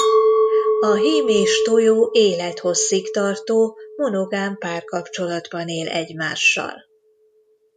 A hím és tojó élethosszig tartó monogám párkapcsolatban él egymással.